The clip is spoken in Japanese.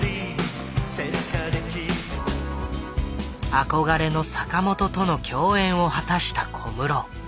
憧れの坂本との共演を果たした小室。